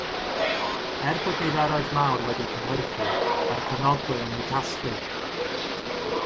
Er bod niferoedd mawr wedi'u cynhyrchu, mae'r cefnogwyr yn eu casglu.